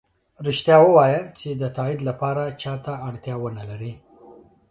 ریښتیا ؤوایه چې د تایید لپاره چا ته اړتیا ونه لری